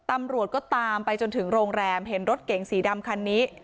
ตำรวจก็ตามไปจนถึงโรงแรมเห็นรถเก๋งสีดำคันนี้